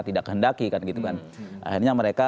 tidak kehendaki akhirnya mereka